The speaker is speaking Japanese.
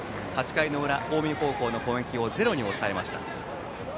８回の裏、近江高校の攻撃をゼロに抑えました。